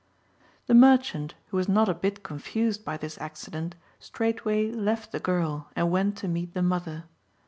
The merchant, who was not a bit confused by this accident, straightway left the girl and went to meet the mother.